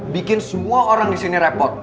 bikin semua orang disini repot